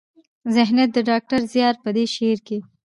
ذهنيت د ډاکټر زيار په دې شعر کې